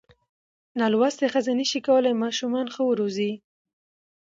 نالوستې ښځې نشي کولای ماشومان ښه وروزي.